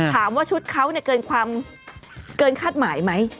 ถามว่าชุดเขาเกินความเกินคาดหมายไหม